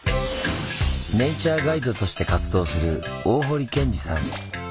ネイチャーガイドとして活動する大堀健司さん。